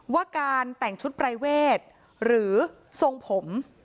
ว่าการแต่งชุดปรายเวทหรือทรงผม